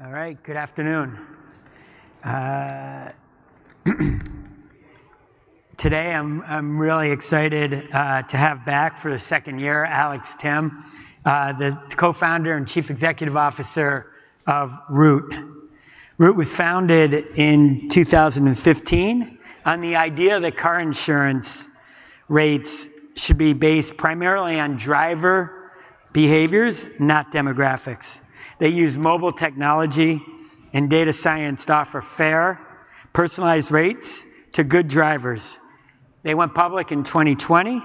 All right. All right, good afternoon. Today I'm really excited to have back, for the second year, Alex Timm, the Co-founder and Chief Executive Officer of Root. Root was founded in 2015 on the idea that car insurance rates should be based primarily on driver behaviors, not demographics. They use mobile technology and data science to offer fair, personalized rates to good drivers. They went public in 2020,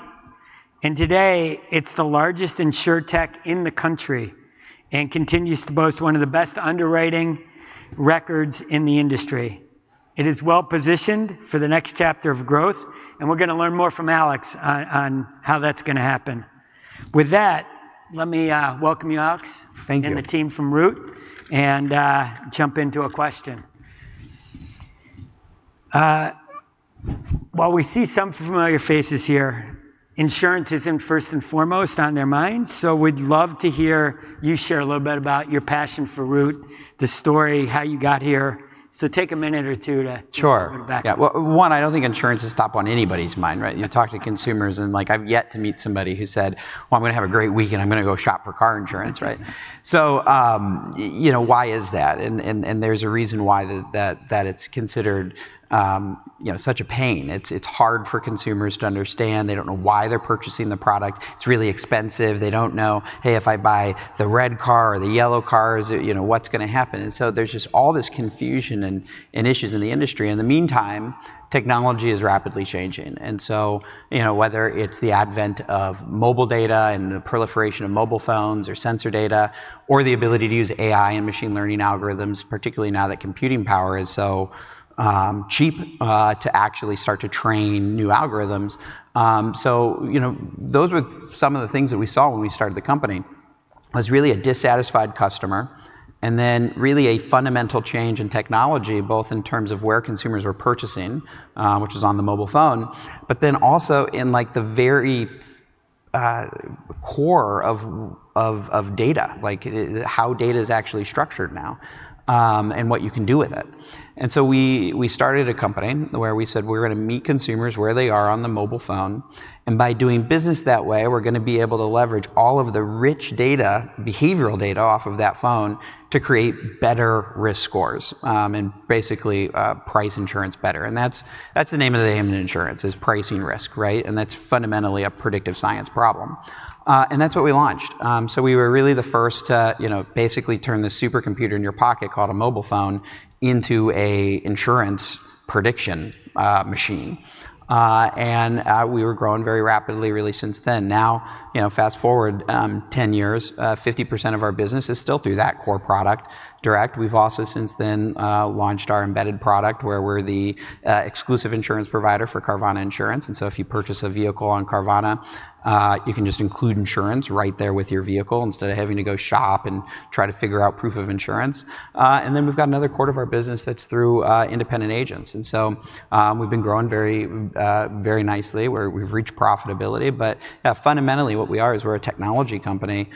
and today it's the largest insurtech in the country and continues to boast one of the best underwriting records in the industry. It is well positioned for the next chapter of growth, and we're going to learn more from Alex on how that's going to happen. With that, let me welcome you, Alex and the team from Root, and jump into a question. While we see some familiar faces here, insurance isn't first and foremost on their minds, so we'd love to hear you share a little bit about your passion for Root, the story, how you got here. So take a minute or two to. Sure. Yeah. Well, one, I don't think insurance is top on anybody's mind, right? You talk to consumers and I've yet to meet somebody who said, "Well, I'm going to have a great week and I'm going to go shop for car insurance," right? So why is that? And there's a reason why that it's considered such a pain. It's hard for consumers to understand. They don't know why they're purchasing the product. It's really expensive. They don't know, "Hey, if I buy the red car or the yellow car, what's going to happen?" And so there's just all this confusion and issues in the industry. In the meantime, technology is rapidly changing. And so whether it's the advent of mobile data and the proliferation of mobile phones or sensor data, or the ability to use AI and machine learning algorithms, particularly now that computing power is so cheap to actually start to train new algorithms. So those were some of the things that we saw when we started the company. It was really a dissatisfied customer, and then really a fundamental change in technology, both in terms of where consumers were purchasing, which was on the mobile phone, but then also in the very core of data, like how data is actually structured now and what you can do with it. We started a company where we said we were going to meet consumers where they are on the mobile phone, and by doing business that way, we're going to be able to leverage all of the rich data, behavioral data off of that phone to create better risk scores and basically price insurance better. And that's the name of the game in insurance is pricing risk, right? And that's fundamentally a predictive science problem. And that's what we launched. We were really the first to basically turn the supercomputer in your pocket called a mobile phone into an insurance prediction machine. And we were growing very rapidly really since then. Now, fast forward 10 years, 50% of our business is still through that core product direct. We've also since then launched our embedded product where we're the exclusive insurance provider for Carvana Insurance. And so if you purchase a vehicle on Carvana, you can just include insurance right there with your vehicle instead of having to go shop and try to figure out proof of insurance. And then we've got another quarter of our business that's through independent agents. And so we've been growing very nicely. We've reached profitability. But fundamentally, what we are is we're a technology company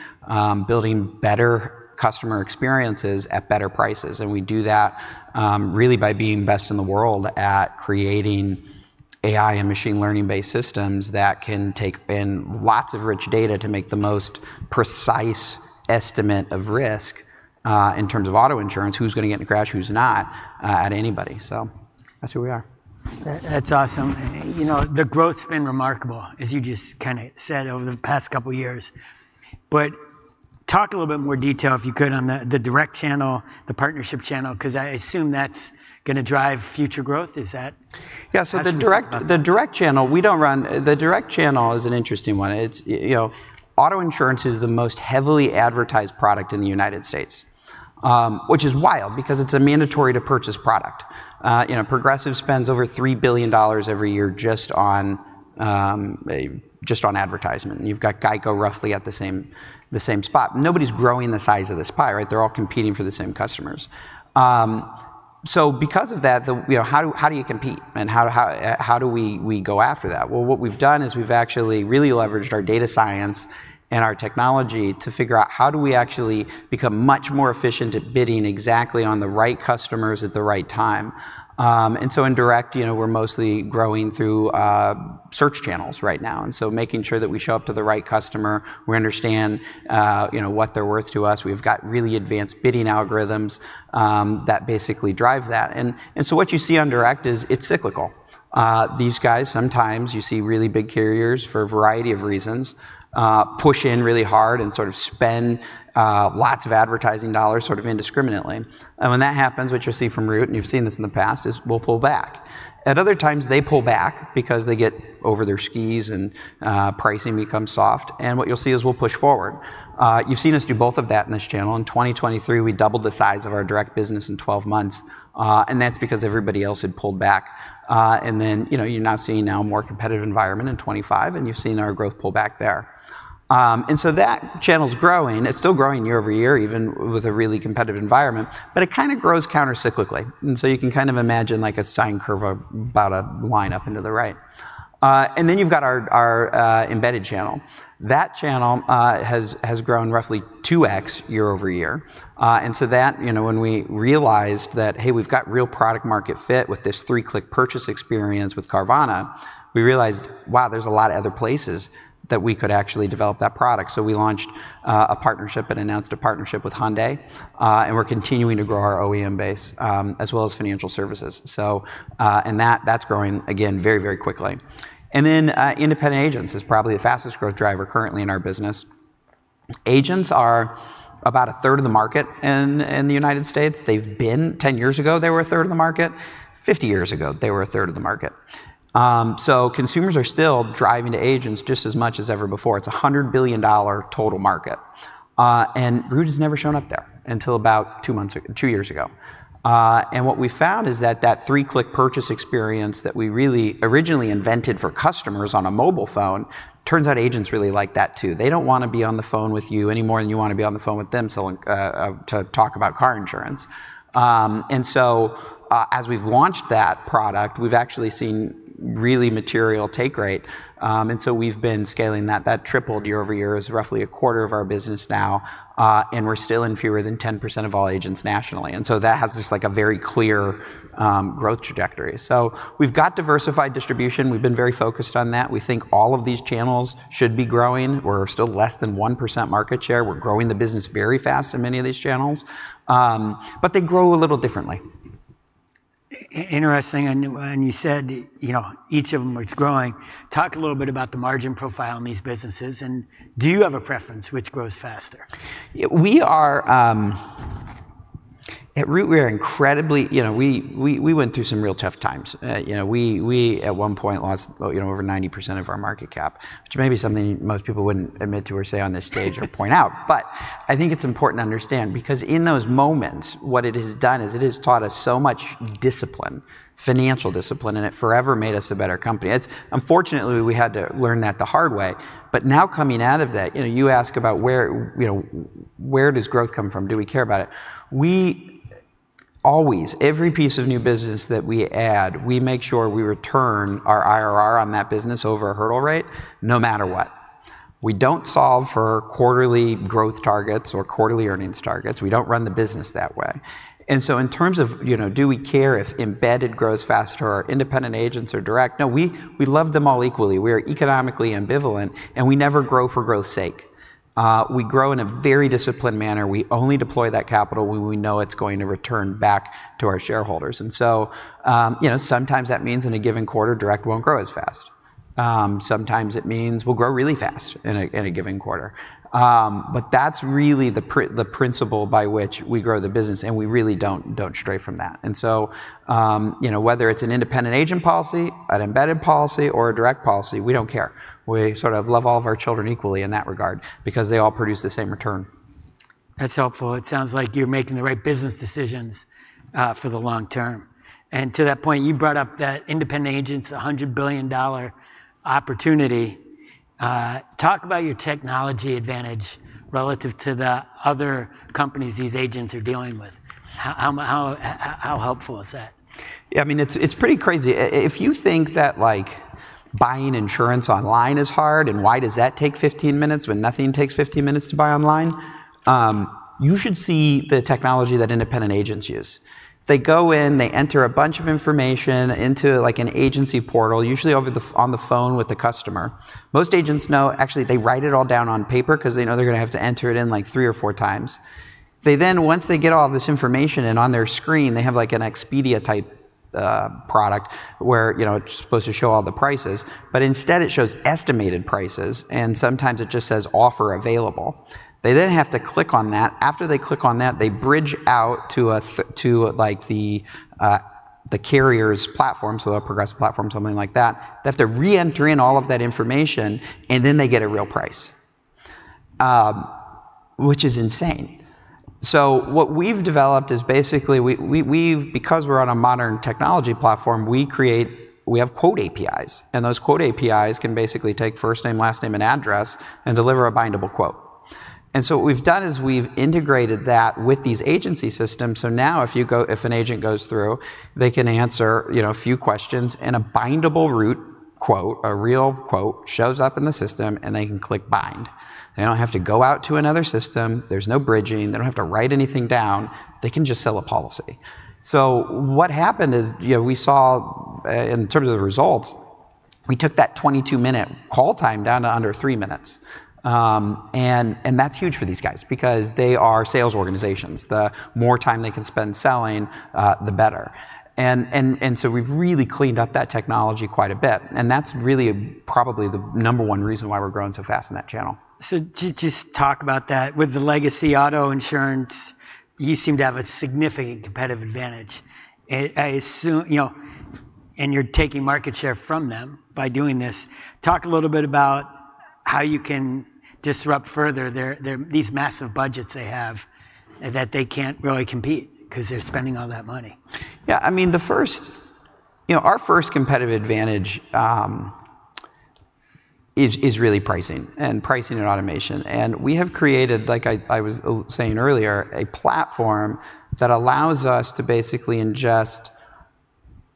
building better customer experiences at better prices. And we do that really by being best in the world at creating AI and machine learning-based systems that can take in lots of rich data to make the most precise estimate of risk in terms of auto insurance, who's going to get in the crash, who's not, for anybody. So that's who we are. That's awesome. The growth's been remarkable, as you just kind of said over the past couple of years. But talk a little bit more detail if you could on the direct channel, the partnership channel, because I assume that's going to drive future growth. Is that? Yeah. So the direct channel we don't run. The direct channel is an interesting one. Auto insurance is the most heavily advertised product in the United States, which is wild because it's a mandatory-to-purchase product. Progressive spends over $3 billion every year just on advertising, and you've got Geico roughly at the same spot. Nobody's growing the size of the pie, right? They're all competing for the same customers. So because of that, how do you compete, and how do we go after that? Well, what we've done is we've actually really leveraged our data science and our technology to figure out how do we actually become much more efficient at bidding exactly on the right customers at the right time, and so in direct, we're mostly growing through search channels right now. And so, making sure that we show up to the right customer, we understand what they're worth to us. We've got really advanced bidding algorithms that basically drive that. And so what you see on direct is it's cyclical. These guys, sometimes you see, really big carriers for a variety of reasons push in really hard and sort of spend lots of advertising dollars sort of indiscriminately. And when that happens, what you'll see from Root, and you've seen this in the past, is we'll pull back. At other times, they pull back because they get over their skis and pricing becomes soft. And what you'll see is we'll push forward. You've seen us do both of that in this channel. In 2023, we doubled the size of our direct business in 12 months. And that's because everybody else had pulled back. And then you're now seeing a more competitive environment in 2025, and you've seen our growth pull back there. And so that channel's growing. It's still growing year-over-year, even with a really competitive environment. But it kind of grows countercyclically. And so you can kind of imagine like a sine curve about a line up and to the right. And then you've got our embedded channel. That channel has grown roughly 2x year-over-year. And so that when we realized that, "Hey, we've got real product-market fit with this three-click purchase experience with Carvana," we realized, "Wow, there's a lot of other places that we could actually develop that product." So we launched a partnership and announced a partnership with Hyundai. And we're continuing to grow our OEM base as well as financial services. And that's growing, again, very, very quickly. Then independent agents is probably the fastest growth driver currently in our business. Agents are about a third of the market in the United States. They've been 10 years ago; they were a third of the market. 50 years ago, they were a third of the market. So consumers are still driving to agents just as much as ever before. It's a $100 billion total market. And Root has never shown up there until about two years ago. And what we found is that that three-click purchase experience that we really originally invented for customers on a mobile phone turns out agents really like that too. They don't want to be on the phone with you any more than you want to be on the phone with them to talk about car insurance. And so as we've launched that product, we've actually seen really material take rate. And so we've been scaling that. That tripled year-over-year. It's roughly a quarter of our business now. And we're still in fewer than 10% of all agents nationally. And so that has this like a very clear growth trajectory. So we've got diversified distribution. We've been very focused on that. We think all of these channels should be growing. We're still less than 1% market share. We're growing the business very fast in many of these channels. But they grow a little differently. Interesting. And you said each of them is growing. Talk a little bit about the margin profile in these businesses. And do you have a preference which grows faster? At Root, we went through some real tough times. We at one point lost over 90% of our market cap, which may be something most people wouldn't admit to or say on this stage or point out, but I think it's important to understand because in those moments, what it has done is it has taught us so much discipline, financial discipline, and it forever made us a better company. Unfortunately, we had to learn that the hard way, but now coming out of that, you ask about where does growth come from? Do we care about it? We always, every piece of new business that we add, we make sure we return our IRR on that business over a hurdle rate no matter what. We don't solve for quarterly growth targets or quarterly earnings targets. We don't run the business that way. And so in terms of do we care if embedded grows faster or independent agents or direct, no, we love them all equally. We are economically ambivalent, and we never grow for growth's sake. We grow in a very disciplined manner. We only deploy that capital when we know it's going to return back to our shareholders. And so sometimes that means in a given quarter, direct won't grow as fast. Sometimes it means we'll grow really fast in a given quarter. But that's really the principle by which we grow the business, and we really don't stray from that. And so whether it's an independent agent policy, an embedded policy, or a direct policy, we don't care. We sort of love all of our children equally in that regard because they all produce the same return. That's helpful. It sounds like you're making the right business decisions for the long term. And to that point, you brought up that independent agents, $100 billion opportunity. Talk about your technology advantage relative to the other companies these agents are dealing with. How helpful is that? Yeah, I mean, it's pretty crazy. If you think that buying insurance online is hard and why does that take 15 minutes when nothing takes 15 minutes to buy online, you should see the technology that independent agents use. They go in, they enter a bunch of information into an agency portal, usually on the phone with the customer. Most agents know, actually, they write it all down on paper because they know they're going to have to enter it in like 3x or 4x. They then, once they get all this information and on their screen, they have like an Expedia-type product where it's supposed to show all the prices. But instead, it shows estimated prices, and sometimes it just says offer available. They then have to click on that. After they click on that, they bridge out to the carrier's platform, so a Progressive platform, something like that. They have to re-enter in all of that information, and then they get a real price, which is insane, so what we've developed is basically, because we're on a modern technology platform, we have quote APIs, and those quote APIs can basically take first name, last name, and address and deliver a bindable quote, and so what we've done is we've integrated that with these agency systems, so now if an agent goes through, they can answer a few questions and a bindable Root quote, a real quote, shows up in the system, and they can click bind. They don't have to go out to another system. There's no bridging. They don't have to write anything down. They can just sell a policy. So what happened is we saw, in terms of the results, we took that 22-minute call time down to under three minutes. And that's huge for these guys because they are sales organizations. The more time they can spend selling, the better. And so we've really cleaned up that technology quite a bit. And that's really probably the number one reason why we're growing so fast in that channel. Just talk about that. With the legacy auto insurance, you seem to have a significant competitive advantage. You're taking market share from them by doing this. Talk a little bit about how you can disrupt further these massive budgets they have that they can't really compete because they're spending all that money. Yeah. I mean, our first competitive advantage is really pricing and pricing and automation. And we have created, like I was saying earlier, a platform that allows us to basically ingest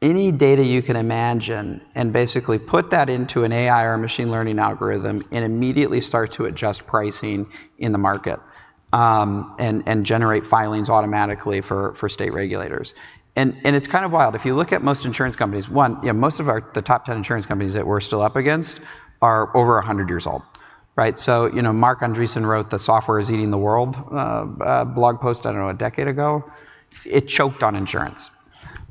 any data you can imagine and basically put that into an AI or a machine learning algorithm and immediately start to adjust pricing in the market and generate filings automatically for state regulators. And it's kind of wild. If you look at most insurance companies, one, most of the top 10 insurance companies that we're still up against are over 100 years old, right? So Marc Andreessen wrote the Software Is Eating the World blog post, I don't know, a decade ago. It choked on insurance.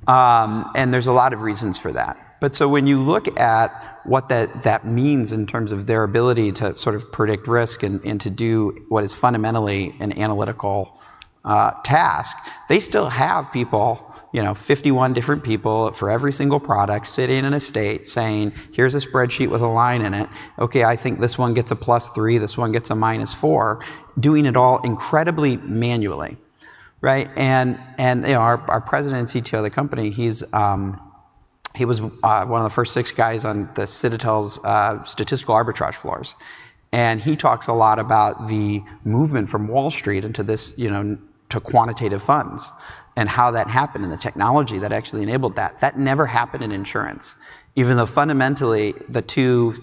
And there's a lot of reasons for that. But so when you look at what that means in terms of their ability to sort of predict risk and to do what is fundamentally an analytical task, they still have people, 51 different people for every single product sitting in a state saying, "Here's a spreadsheet with a line in it. Okay, I think this one gets a +3. This one gets a -4," doing it all incredibly manually, right? And our President and CTO of the company, he was one of the first six guys on the Citadel's statistical arbitrage floors. And he talks a lot about the movement from Wall Street into quantitative funds and how that happened and the technology that actually enabled that. That never happened in insurance, even though fundamentally the two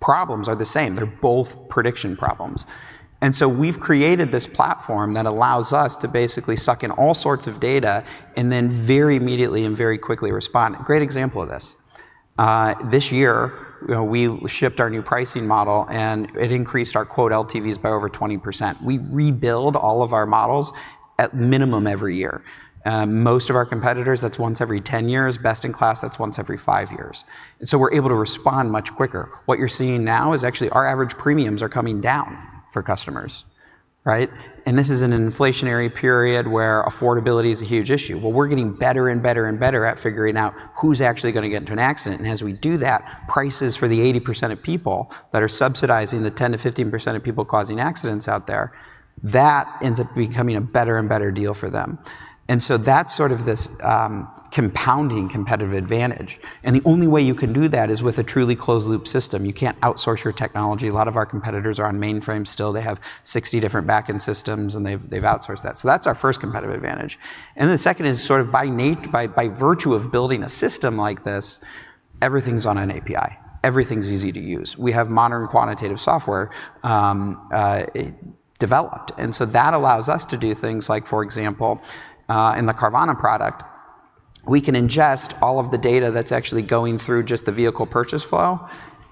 problems are the same. They're both prediction problems. And so we've created this platform that allows us to basically suck in all sorts of data and then very immediately and very quickly respond. Great example of this. This year, we shipped our new pricing model, and it increased our quote LTVs by over 20%. We rebuild all of our models at minimum every year. Most of our competitors, that's once every 10 years. Best in class, that's once every five years. And so we're able to respond much quicker. What you're seeing now is actually our average premiums are coming down for customers, right? And this is an inflationary period where affordability is a huge issue. Well, we're getting better and better and better at figuring out who's actually going to get into an accident. As we do that, prices for the 80% of people that are subsidizing the 10%-15% of people causing accidents out there, that ends up becoming a better and better deal for them. And so that's sort of this compounding competitive advantage. And the only way you can do that is with a truly closed-loop system. You can't outsource your technology. A lot of our competitors are on mainframes still. They have 60 different backend systems, and they've outsourced that. So that's our first competitive advantage. And the second is sort of by virtue of building a system like this, everything's on an API. Everything's easy to use. We have modern quantitative software developed. And so that allows us to do things like, for example, in the Carvana product, we can ingest all of the data that's actually going through just the vehicle purchase flow,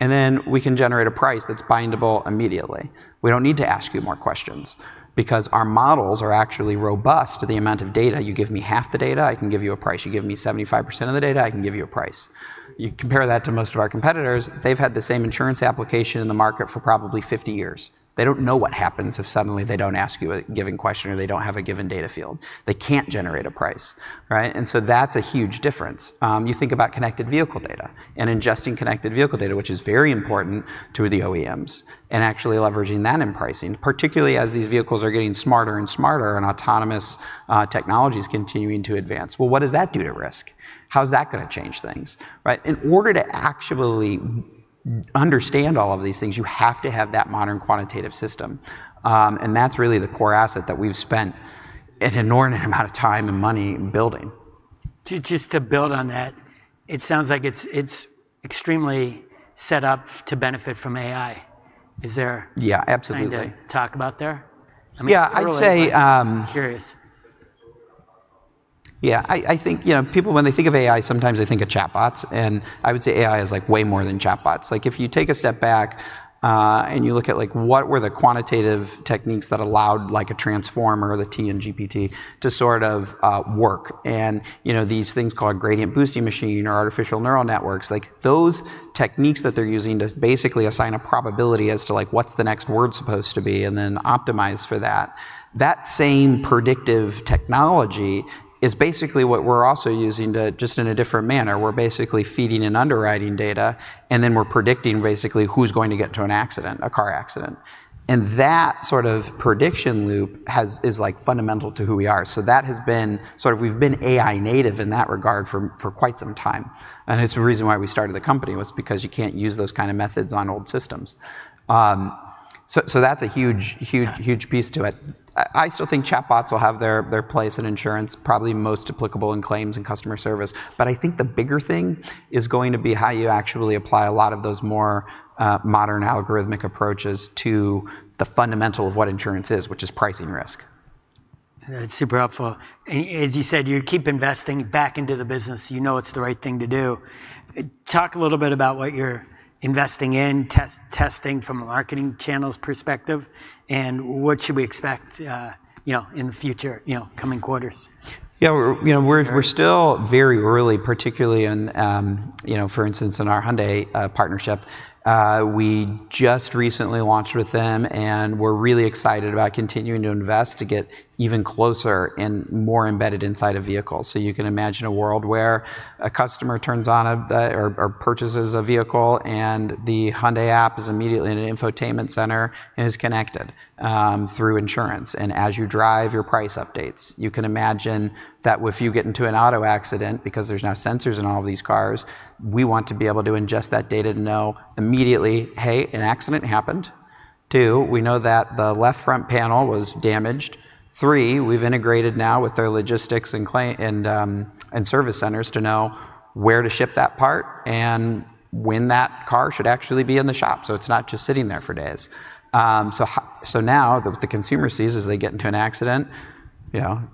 and then we can generate a price that's bindable immediately. We don't need to ask you more questions because our models are actually robust to the amount of data. You give me half the data, I can give you a price. You give me 75% of the data, I can give you a price. You compare that to most of our competitors, they've had the same insurance application in the market for probably 50 years. They don't know what happens if suddenly they don't ask you a given question or they don't have a given data field. They can't generate a price, right? And so that's a huge difference. You think about connected vehicle data and ingesting connected vehicle data, which is very important to the OEMs, and actually leveraging that in pricing, particularly as these vehicles are getting smarter and smarter and autonomous technologies continuing to advance. What does that do to risk? How's that going to change things, right? In order to actually understand all of these things, you have to have that modern quantitative system. That's really the core asset that we've spent an inordinate amount of time and money building. Just to build on that, it sounds like it's extremely set up to benefit from AI. Is there? Yeah, absolutely. Anything to talk about there? Yeah, I'd say. I'm curious. Yeah, I think people, when they think of AI, sometimes they think of chatbots, and I would say AI is like way more than chatbots. If you take a step back and you look at what were the quantitative techniques that allowed a transformer or the transformer and GPT to sort of work, and these things called gradient boosting machine or artificial neural networks, those techniques that they're using to basically assign a probability as to what's the next word supposed to be and then optimize for that, that same predictive technology is basically what we're also using to just in a different manner. We're basically feeding and underwriting data, and then we're predicting basically who's going to get into an accident, a car accident, and that sort of prediction loop is fundamental to who we are. So that has been sort of we've been AI native in that regard for quite some time. And it's the reason why we started the company was because you can't use those kind of methods on old systems. So that's a huge, huge, huge piece to it. I still think chatbots will have their place in insurance, probably most applicable in claims and customer service. But I think the bigger thing is going to be how you actually apply a lot of those more modern algorithmic approaches to the fundamental of what insurance is, which is pricing risk. That's super helpful. As you said, you keep investing back into the business. You know it's the right thing to do. Talk a little bit about what you're investing in, testing from a marketing channels perspective, and what should we expect in the future, coming quarters? Yeah, we're still very early, particularly in, for instance, in our Hyundai partnership. We just recently launched with them, and we're really excited about continuing to invest to get even closer and more embedded inside a vehicle. So you can imagine a world where a customer turns on or purchases a vehicle, and the Hyundai app is immediately in an infotainment center and is connected through insurance. And as you drive, your price updates. You can imagine that if you get into an auto accident, because there's now sensors in all of these cars, we want to be able to ingest that data to know immediately, hey, an accident happened. Two, we know that the left front panel was damaged. Three, we've integrated now with their logistics and service centers to know where to ship that part and when that car should actually be in the shop. So it's not just sitting there for days. So now what the consumer sees is they get into an accident,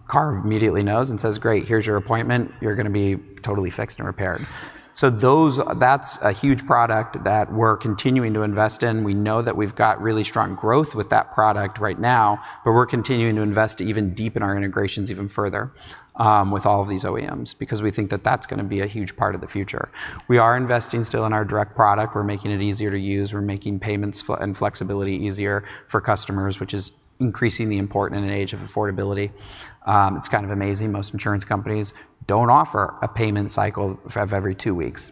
car immediately knows and says, "Great, here's your appointment. You're going to be totally fixed and repaired." So that's a huge product that we're continuing to invest in. We know that we've got really strong growth with that product right now, but we're continuing to invest even deep in our integrations even further with all of these OEMs because we think that that's going to be a huge part of the future. We are investing still in our direct product. We're making it easier to use. We're making payments and flexibility easier for customers, which is increasingly important in an age of affordability. It's kind of amazing. Most insurance companies don't offer a payment cycle of every two weeks.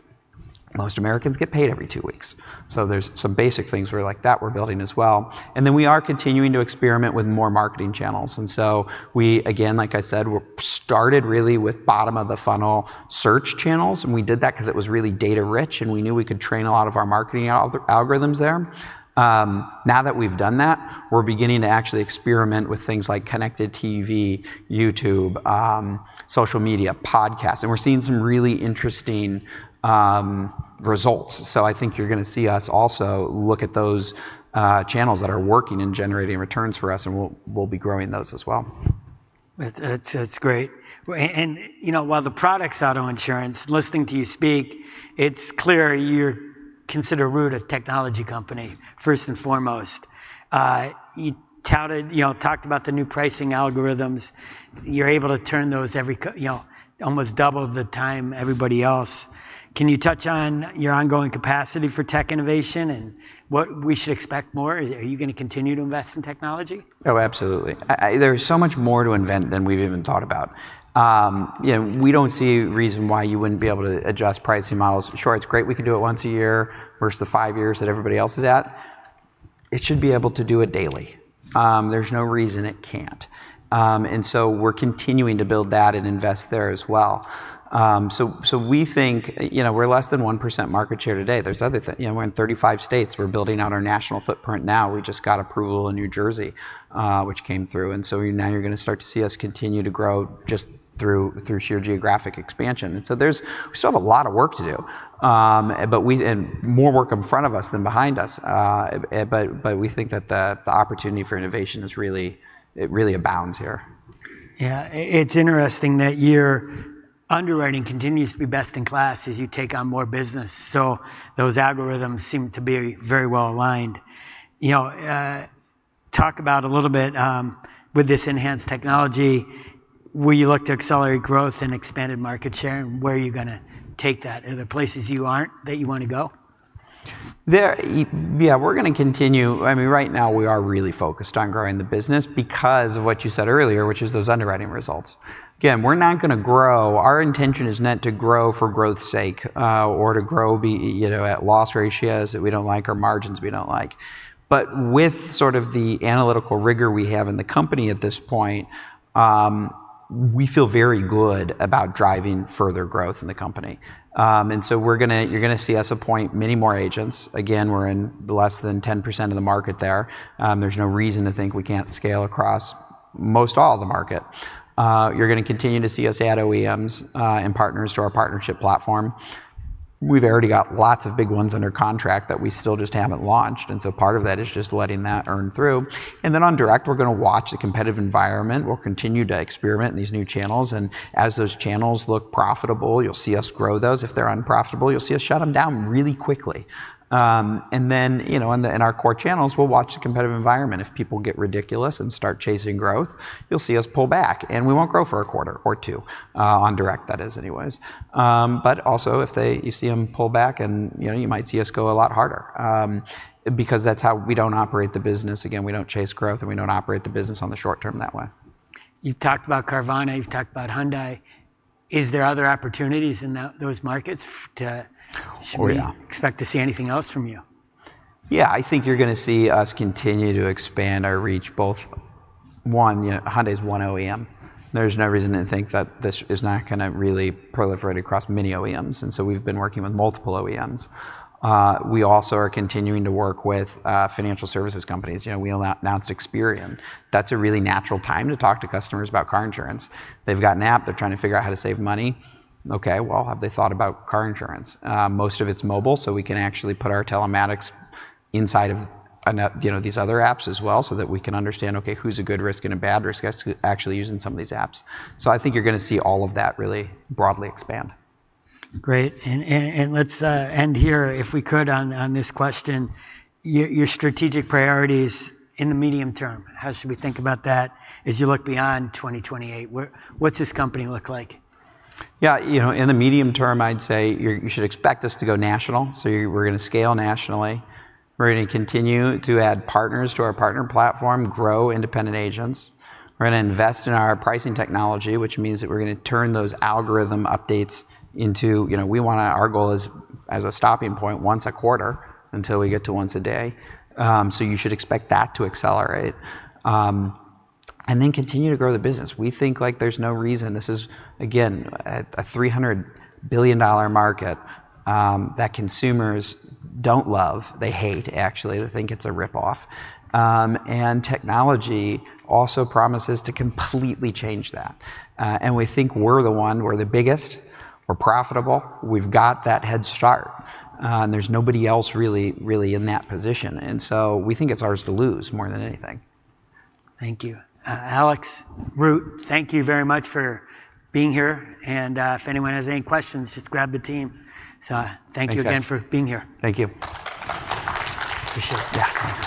Most Americans get paid every two weeks. So there's some basic things we're building as well. And then we are continuing to experiment with more marketing channels. And so we, again, like I said, started really with bottom of the funnel search channels. And we did that because it was really data-rich, and we knew we could train a lot of our marketing algorithms there. Now that we've done that, we're beginning to actually experiment with things like connected TV, YouTube, social media, podcasts. And we're seeing some really interesting results. So I think you're going to see us also look at those channels that are working and generating returns for us, and we'll be growing those as well. That's great. And while the product's auto insurance, listening to you speak, it's clear you consider Root a technology company, first and foremost. You talked about the new pricing algorithms. You're able to turn those almost double the time everybody else. Can you touch on your ongoing capacity for tech innovation and what we should expect more? Are you going to continue to invest in technology? Oh, absolutely. There is so much more to invent than we've even thought about. We don't see a reason why you wouldn't be able to adjust pricing models. Sure, it's great we can do it once a year versus the five years that everybody else is at. It should be able to do it daily. There's no reason it can't, and so we're continuing to build that and invest there as well, so we think we're less than 1% market share today. We're in 35 states. We're building out our national footprint now. We just got approval in New Jersey, which came through, and so now you're going to start to see us continue to grow just through sheer geographic expansion, and so we still have a lot of work to do, but more work in front of us than behind us. But we think that the opportunity for innovation really abounds here. Yeah, it's interesting that your underwriting continues to be best in class as you take on more business. So those algorithms seem to be very well aligned. Talk about a little bit with this enhanced technology, will you look to accelerate growth and expanded market share, and where are you going to take that? Are there places you aren't that you want to go? Yeah, we're going to continue. I mean, right now, we are really focused on growing the business because of what you said earlier, which is those underwriting results. Again, we're not going to grow. Our intention is not to grow for growth's sake or to grow at loss ratios that we don't like or margins we don't like. But with sort of the analytical rigor we have in the company at this point, we feel very good about driving further growth in the company. And so you're going to see us appoint many more agents. Again, we're in less than 10% of the market there. There's no reason to think we can't scale across most all of the market. You're going to continue to see us add OEMs and partners to our partnership platform. We've already got lots of big ones under contract that we still just haven't launched. And so part of that is just letting that earn through. And then on direct, we're going to watch the competitive environment. We'll continue to experiment in these new channels. And as those channels look profitable, you'll see us grow those. If they're unprofitable, you'll see us shut them down really quickly. And then in our core channels, we'll watch the competitive environment. If people get ridiculous and start chasing growth, you'll see us pull back. And we won't grow for a quarter or two on direct, that is anyways. But also, if you see them pull back, you might see us go a lot harder because that's how we don't operate the business. Again, we don't chase growth, and we don't operate the business on the short term that way. You've talked about Carvana. You've talked about Hyundai. Is there other opportunities in those markets to expect to see anything else from you? Yeah, I think you're going to see us continue to expand our reach, both. One, Hyundai's one OEM. There's no reason to think that this is not going to really proliferate across many OEMs. And so we've been working with multiple OEMs. We also are continuing to work with financial services companies. We announced Experian. That's a really natural time to talk to customers about car insurance. They've got an app. They're trying to figure out how to save money. Okay, well, have they thought about car insurance? Most of it's mobile, so we can actually put our telematics inside of these other apps as well so that we can understand, okay, who's a good risk and a bad risk actually using some of these apps. So I think you're going to see all of that really broadly expand. Great. And let's end here, if we could, on this question. Your strategic priorities in the medium term, how should we think about that as you look beyond 2028? What's this company look like? Yeah, in the medium term, I'd say you should expect us to go national. So we're going to scale nationally. We're going to continue to add partners to our partner platform, grow independent agents. We're going to invest in our pricing technology, which means that we're going to turn those algorithm updates into our goal is as a stopping point once a quarter until we get to once a day. So you should expect that to accelerate and then continue to grow the business. We think there's no reason. This is, again, a $300 billion market that consumers don't love. They hate, actually. They think it's a rip-off, and technology also promises to completely change that, and we think we're the one. We're the biggest. We're profitable. We've got that head start. And there's nobody else really, really in that position. And so we think it's ours to lose more than anything. Thank you. Alex Timm, thank you very much for being here. And if anyone has any questions, just grab the team. So thank you again for being here. Thank you. Appreciate it. Yeah that closes the call.